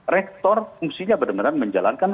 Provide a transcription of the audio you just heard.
rektor fungsinya benar benar menjalankan